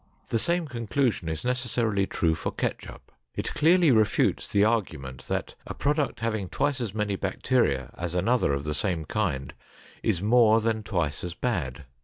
The same conclusion is necessarily true for ketchup. It clearly refutes the argument that a product having twice as many bacteria as another of the same kind is more than twice as bad.